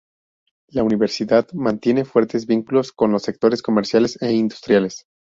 La universidad mantiene fuertes vínculos con los sectores comerciales e industriales.